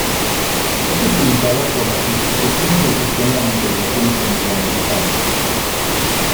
Es utilizada por las instituciones del Sistema de Integración Centroamericano.